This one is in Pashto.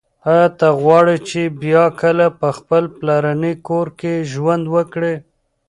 ایا ته غواړې چې بیا کله په خپل پلرني کور کې ژوند وکړې؟